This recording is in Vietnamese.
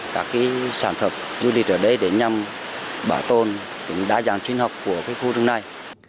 các sản phẩm du lịch ở đây để nhằm bảo tồn đa dạng sinh học của khu rừng này